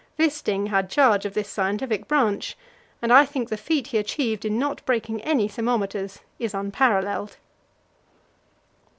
Wisting had charge of this scientific branch, and I think the feat he achieved in not breaking any thermometers is unparalleled.